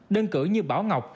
đơn cử như bảo ngọc